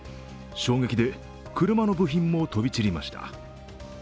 衝撃で車の部品も飛び散りました。